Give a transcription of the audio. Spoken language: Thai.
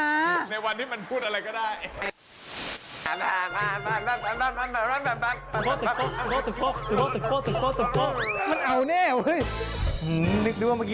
อยู่ในวันที่มันพูดอะไรก็ได้